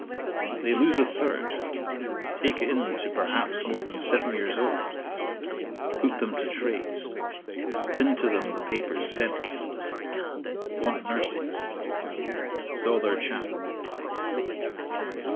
They lose a third; take in to perhaps more than seven [years old]; put them to trades; pin to them the papers sent with them. Want nurses. Saw their chapel.